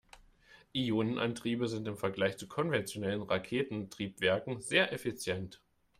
Ionenantriebe sind im Vergleich zu konventionellen Raketentriebwerken sehr effizient.